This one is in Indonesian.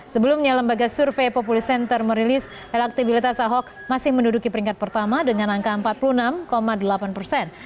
sebelumnya lembaga survei populi center merilis elektibilitas ahok masih menduduki peringkat pertama dengan angka empat puluh enam delapan persen